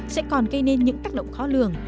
sẽ còn gây nên những tác động khó lường